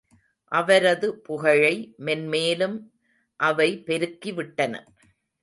அவரது புகழை மென்மேலும் அவை பெருக்கிவிட்டன.